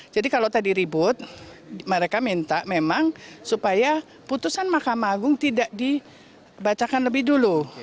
jadi kalau tadi ribut mereka minta memang supaya putusan mahkamah agung tidak dibacakan lebih dulu